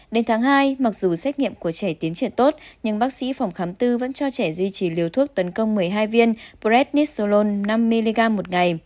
đến tháng hai mặc dù xét nghiệm của trẻ tiến triển tốt nhưng bác sĩ phòng khám tư vẫn cho trẻ duy trì liều thuốc tấn công một mươi hai viên pret nissolon năm mg một ngày